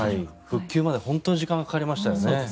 復旧まで本当に時間がかかりましたよね。